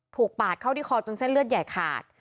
ปาดเข้าที่คอจนเส้นเลือดใหญ่ขาด